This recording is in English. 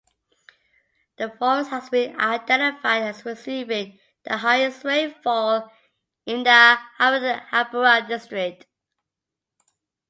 The forest has been identified as receiving the highest rainfall in the Anuradhapura District.